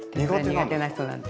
苦手な人なんで。